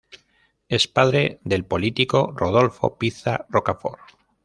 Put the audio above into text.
Es padre del político Rodolfo Piza Rocafort.